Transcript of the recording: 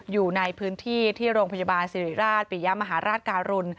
อยู่ในพื้นที่ที่โรงพยาบาลสิริราชปิยะมหาราชการุล